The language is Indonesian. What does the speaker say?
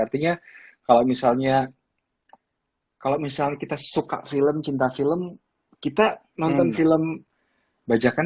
artinya kalau misalnya kalau misalnya kita suka film cinta film kita nonton film bajakan